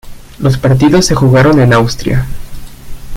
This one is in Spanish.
Los partidos se jugaron en Austria.